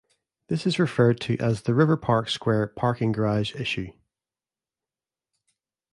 This is referred to as the "River Park Square Parking Garage" issue.